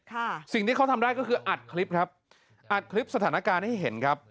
สิ่งที่เขาทำได้ก็คืออัดคลิปครับอัดคลิปสถานการณ์ให้เห็นครับ